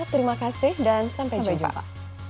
terima kasih dan sampai jumpa